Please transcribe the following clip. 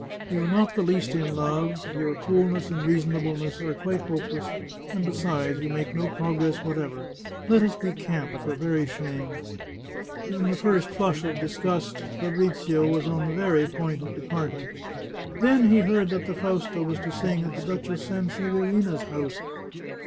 " You are not the least in love ; your coolness and reasonableness are quite hopeless, and besides, you make no progress whatsoever. Let us decamp, for very shame." In the first flush of disgust, Fabrizio was on the very point of departing. Then he heard that the Fausta was to sing at the Duchess Sanseverina's house.